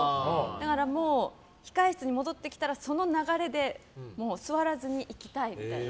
だから控え室に戻ってきたらその流れで座らずにいきたいみたいな。